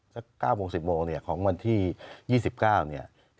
สัก๙โมง๑๐โมงของวันที่๒๙